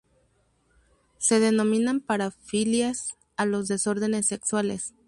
Se denominan parafilias a los desórdenes sexuales.